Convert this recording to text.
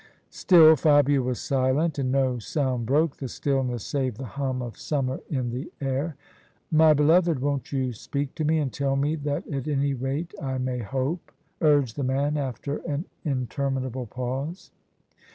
Still Fabia was silent: and no sound broke the stillness save the hum of summer in the air. " My beloved, won't you speak to me, and tell me that at any rate I may hope? " urged the man, after an inter minable pause.